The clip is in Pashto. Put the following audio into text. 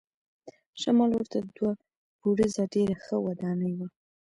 شمال لور ته دوه پوړیزه ډېره ښه ودانۍ وه.